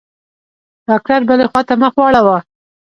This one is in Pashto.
ډاکتر بلې خوا ته مخ واړاوه.